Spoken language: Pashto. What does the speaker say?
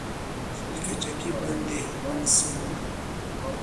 د کجکي بند د هلمند سیند مهاروي